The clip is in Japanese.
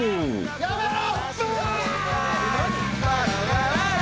やめろ！